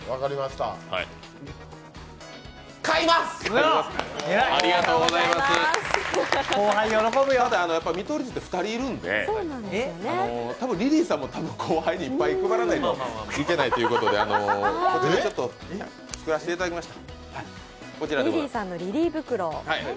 ただ、見取り図って２人いるんで、リリーさんも多分後輩にいっぱい配らないといけないということでこちら作らせてもらいました。